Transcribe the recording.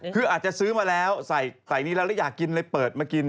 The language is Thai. คืออาจจะซื้อมาแล้วใส่นี้แล้วแล้วอยากกินเลยเปิดมากิน